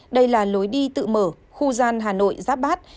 đây là lối đi tự mở khu gian hà nội giáp bát